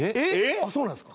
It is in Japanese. あっそうなんですか？